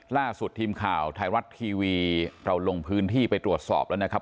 ล่าสุดทีมข่าวไทยรัฐทีวีเราลงพื้นที่ไปตรวจสอบแล้วนะครับ